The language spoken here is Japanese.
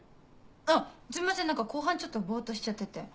あっすいません何か後半ちょっとぼっとしちゃってて。